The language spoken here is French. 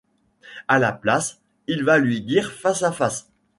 À la place, il va lui dire face à face.